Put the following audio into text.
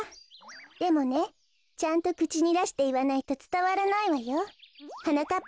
でもねちゃんとくちにだしていわないとつたわらないわよ。はなかっ